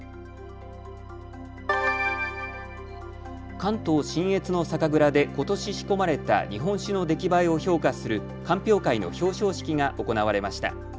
関東信越の酒蔵でことし仕込まれた日本酒の出来栄えを評価する鑑評会の表彰式が行われました。